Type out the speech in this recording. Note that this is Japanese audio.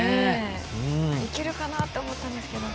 いけるかなと思ったんですけどね。